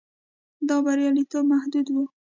دا بریالیتوب محدود و.